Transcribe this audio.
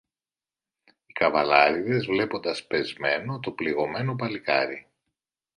Οι καβαλάρηδες, βλέποντας πεσμένο το πληγωμένο παλικάρι